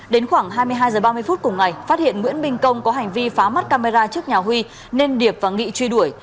đến khoảng hai mươi hai h ba mươi phút cùng ngày phát hiện nguyễn minh công có hành vi phá mắt camera trước nhà huy nên điệp và nghị truy đuổi